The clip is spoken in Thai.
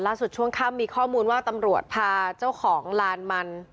ช่วงค่ำมีข้อมูลว่าตำรวจพาเจ้าของลานมัน